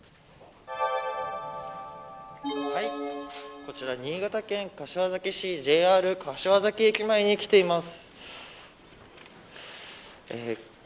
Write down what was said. こちら、新潟県柏崎市ＪＲ柏崎駅前に来ています。